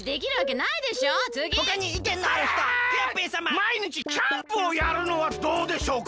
まいにちキャンプをやるのはどうでしょうか？